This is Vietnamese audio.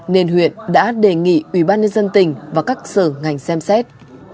nên huyện đã đề nghị ủy ban dân tỉnh và các sở ngành xem xét